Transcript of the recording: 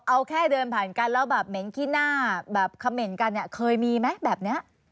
เอาแค่เดินผ่านกันแล้วแบบเหม็นขี้หน้าแบบเขม่นกันเนี่ยเคยมีไหมแบบนี้